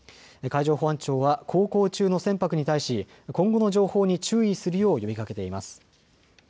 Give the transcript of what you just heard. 海上保安庁は航行中の船舶に対し今後の情報に注意するよう呼びかけています。